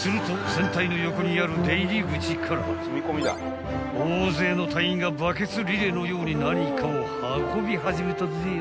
船体の横にある出入り口から大勢の隊員がバケツリレーのように何かを運び始めたぜよ］